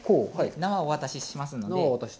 縄をお渡ししますので。